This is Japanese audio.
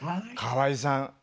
川合さん